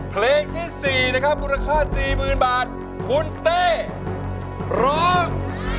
เพลงที่๔อุปราคา๔หมื่นบาทคุณเต้ร้อง